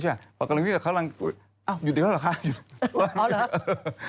แต่กำลังวิ่งกับเขาอยู่เดี๋ยวแล้วหรอคะ